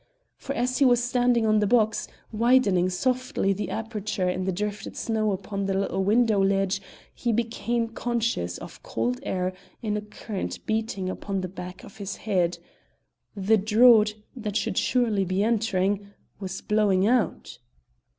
For as he was standing on the box, widening softly the aperture in the drifted snow upon the little window ledge, he became conscious of cold air in a current beating upon the back of his head. The draught, that should surely be entering, was blowing out!